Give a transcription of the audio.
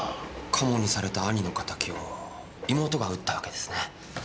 カモにされた兄の敵を妹が討ったわけですね。